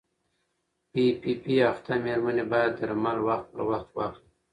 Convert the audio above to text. پي پي پي اخته مېرمنې باید درمل وخت پر وخت واخلي.